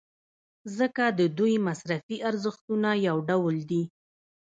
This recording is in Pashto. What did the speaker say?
ځکه د دوی مصرفي ارزښتونه یو ډول دي.